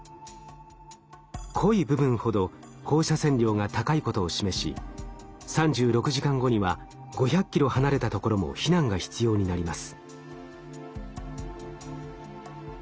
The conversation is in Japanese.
濃い部分ほど放射線量が高いことを示し３６時間後には５００ｋｍ離れたところも避難が必要になります。